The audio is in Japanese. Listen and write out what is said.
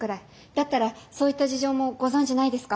だったらそういった事情もご存じないですか？